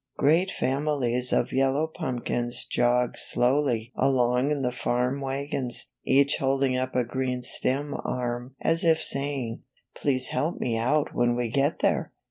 Great families of yellow pumpkins jog ged slowly along in the farm wagons, each holding up a green stem arm as if saying, ^Tlease help me out when we get there!